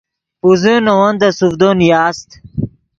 پوزے نے ون دے سوڤدو نیاست